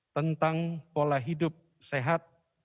tentang pola hidup sehat